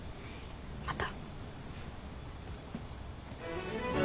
また。